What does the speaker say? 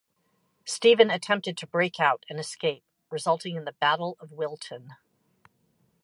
Stephen attempted to break out and escape, resulting in the Battle of Wilton.